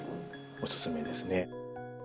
おすすめですね。